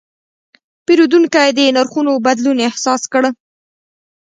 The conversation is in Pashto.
پیرودونکی د نرخونو بدلون احساس کړ.